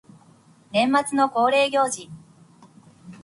年末の恒例行事